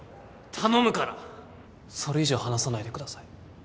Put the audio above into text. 頼むからそれ以上話さないでください。